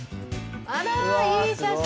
あらいい写真！